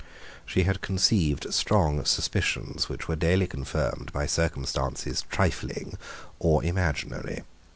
She had conceived strong suspicions which were daily confirmed by circumstances trifling or imaginary.